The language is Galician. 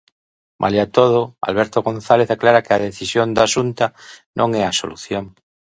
Malia todo, Alberto González aclara que a decisión da Xunta "non é a solución".